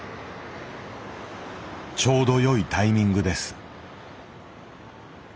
「ちょうど良いタイミングです」。